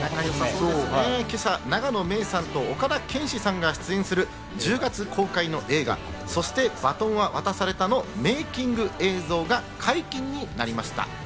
今朝、永野芽郁さんと岡田健史さんが出演する１０月公開の映画『そして、バトンは渡された』のメイキング映像が解禁になりました。